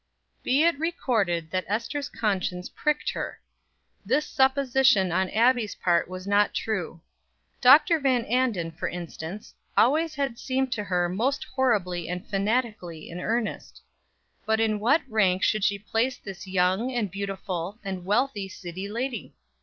Be it recorded that Ester's conscience pricked her. This supposition on Abbie's part was not true. Dr. Van Anden, for instance, always had seemed to her most horribly and fanatically in earnest. But in what rank should she place this young, and beautiful, and wealthy city lady?